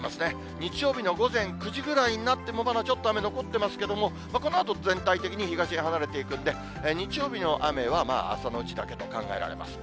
日曜日の午前９時ぐらいになっても、まだちょっと雨残ってますけれども、このあと全体的に東へ離れていくんで、日曜日の雨はまあ朝のうちだけと考えられます。